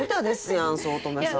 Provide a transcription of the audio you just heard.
やん五月女さん。